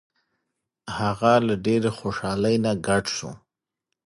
هغه له ډیرې خوشحالۍ نه ګډ شو.